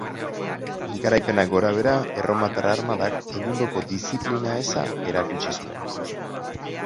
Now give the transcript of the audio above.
Garaipenak gorabehera, erromatar armadak egundoko diziplina eza erakutsi zuen.